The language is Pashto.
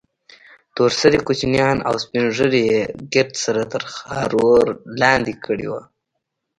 تور سرې کوچنيان او سپين ږيري يې ګرد سره تر خارور لاندې کړي وو.